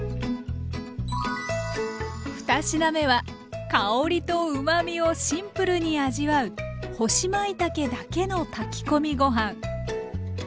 ２品目は香りとうまみをシンプルに味わう干しまいたけだけの炊き込みご飯。